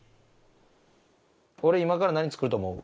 俺今から何作ると思う？